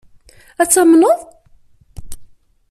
Ad tt-tamneḍ?